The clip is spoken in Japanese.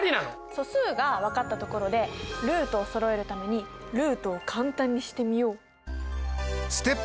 素数が分かったところでルートをそろえるためにルートを簡単にしてみよう。